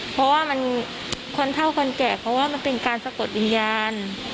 เพราะว่ามันคนเท่าคนแก่เพราะว่ามันเป็นการสะกดวิญญาณ